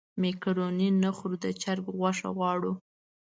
مېکاروني نه خورو د چرګ غوښه غواړو.